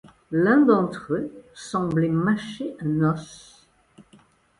L'un d'entre eux semblait mâcher un os.